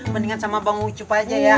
mendingan sama bang ucupa aja ya